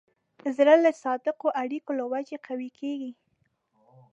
زړه د صادقو اړیکو له وجې قوي کېږي.